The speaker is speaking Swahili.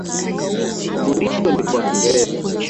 Mafundisho ni kwa Kiingereza.